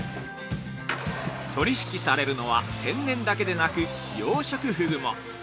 ◆取引されるのは天然だけでなく養殖ふぐも。